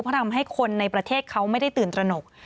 เพราะทำให้คนในประเทศเขาไม่ได้ตื่นตระหนก